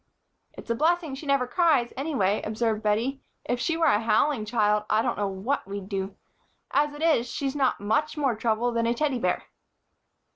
"It's a blessing she never cries, anyway," observed Bettie. "If she were a howling child I don't know what we'd do. As it is, she's not much more trouble than a Teddy bear."